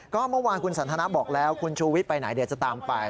ก็เมื่อวานคุณสันทนาบอกแล้วคุณชูวิทย์ไปไหนเดี๋ยวจะตามไป